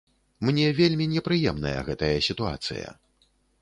Мне вельмі непрыемная гэтая сітуацыя.